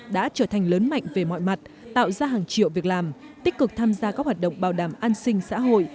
đã trở thành lớn mạnh về mọi mặt tạo ra hàng triệu việc làm tích cực tham gia các hoạt động bảo đảm an sinh xã hội